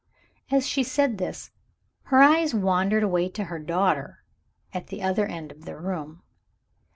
As she said this her eyes wandered away to her daughter, at the other end of the room.